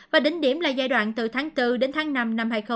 và đỉnh điểm là giai đoạn từ tháng bốn đến tháng năm năm hai nghìn hai mươi